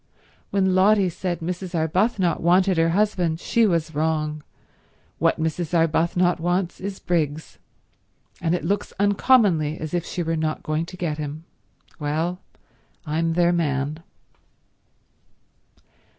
When Lotty said Mrs. Arbuthnot wanted her husband, she was wrong. What Mrs. Arbuthnot wants is Briggs, and it looks uncommonly as if she were not going to get him. Well, I'm their man."